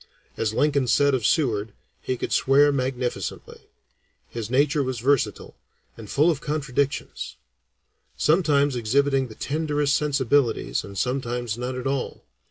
As Lincoln said of Seward, he could swear magnificently. His nature was versatile, and full of contradictions; sometimes exhibiting the tenderest sensibilities and sometimes none at all.